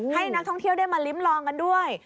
ให้นักท่องเที่ยวได้มาลิ้มลองกันด้วย